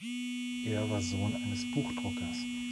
Er war Sohn eines Buchdruckers.